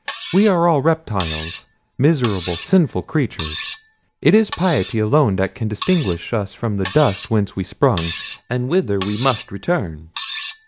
We are all reptiles, miserable, sinful creatures. It is piety alone that can distinguish us from the dust whence we sprung, and whither we must return."